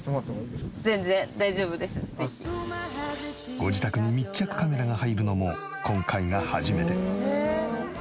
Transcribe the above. ご自宅に密着カメラが入るのも今回が初めて。